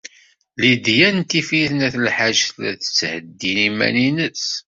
Lidya n Tifrit n At Lḥaǧ tella tettheddin iman-nnes.